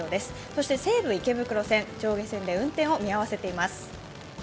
そして西武池袋線、上下線で運転を見合わせています。